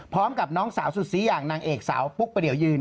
พร้อมกับน้องสาวสุดสีอย่างนางเอกสาวปุ๊กประเดี๋ยวยืน